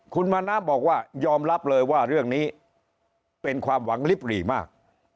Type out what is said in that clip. คุณมณะบอกว่ายอมรับเลยว่าเรื่องนี้เป็นความหวังลิบหรี่มาก